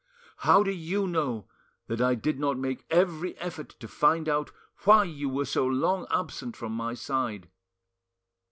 How do you know that I did not make every effort to find out why you were so long absent from my side?